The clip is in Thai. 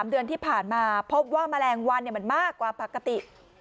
เดือนที่ผ่านมาพบว่าแมลงวันมันมากกว่าปกติ